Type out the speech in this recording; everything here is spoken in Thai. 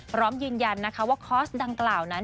พร้อมยืนยันนะคะว่าคอร์สดังกล่าวนั้น